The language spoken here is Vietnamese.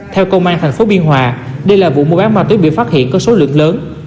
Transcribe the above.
theo công an thành phố biên hòa đây là vụ mua bán ma túy bị phát hiện có số lượng lớn